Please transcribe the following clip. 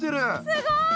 すごい！